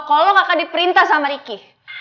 kalau kakak diperintah sama riki